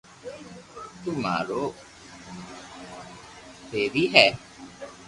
تو مارو ٻينيوي ھي